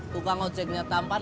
tukang ojeknya tampan